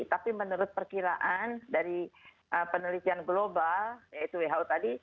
tapi menurut perkiraan dari penelitian global yaitu who tadi